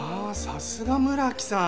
さすが村木さん！